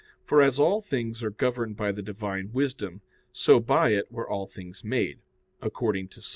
For, as all things are governed by the Divine wisdom, so by it were all things made, according to Ps.